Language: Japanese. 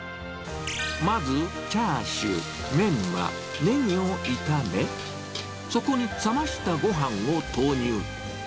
まずチャーシュー、メンマ、ねぎを炒め、そこに冷ましたごはんを投入。